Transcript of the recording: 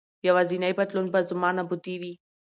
یوازېنی بدلون به زما نابودي وي.